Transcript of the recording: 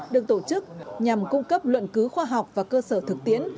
được tổ chức nhằm cung cấp luận cứu khoa học và cơ sở thực tiễn